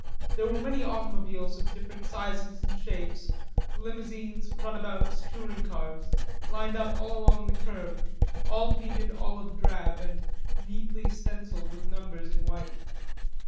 There were many automobiles of different sizes and shapes, limousines, runabouts, touring cars, lined up along the curb, all painted olive drab and neatly stenciled with numbers in white.